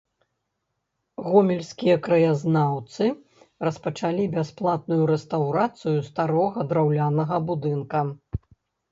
Гомельскія краязнаўцы распачалі бясплатную рэстаўрацыю старога драўлянага будынка.